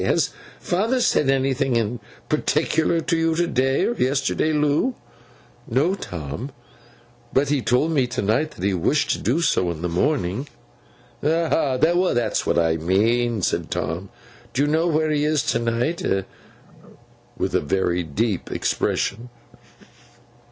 Has father said anything particular to you to day or yesterday, Loo?' 'No, Tom. But he told me to night that he wished to do so in the morning.' 'Ah! That's what I mean,' said Tom. 'Do you know where he is to night?'—with a very deep expression.